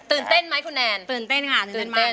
ถึงเต้นมึงคุณแนน